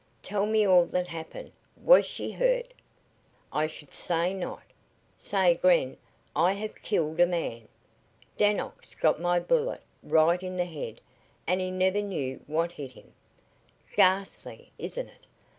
"Tell me all that happened. Was she hurt?" "I should say not! Say, Gren, I have killed a man. Dannox got my bullet right in the head and he never knew what hit him. Ghastly, isn't it?